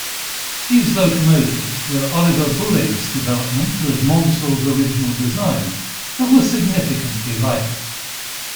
These locomotives were Oliver Bulleid's development of Maunsell's original design, but were significantly lighter.